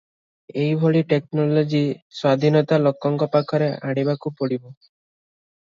ଏହିଭଳି ଟେକନୋଲୋଜି ସ୍ୱାଧୀନତା ଲୋକଙ୍କ ପାଖରେ ଆଣିବାକୁ ପଡ଼ିବ ।